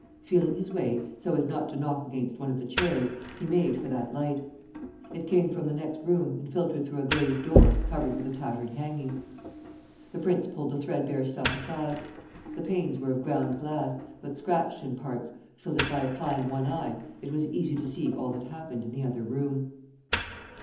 Feeling his way, so as not to knock against one of the chairs, he made for that light. It came from the next room and filtered through a glazed door covered with a tattered hanging. The prince pulled the threadbare stuff aside. The panes were of ground glass, but scratched in parts, so that, by applying one eye, it was easy to see all that happened in the other room.